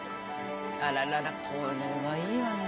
あらららこれはいいわね。